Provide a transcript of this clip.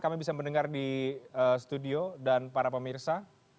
kami bisa mendengar di studio dan para pemirsa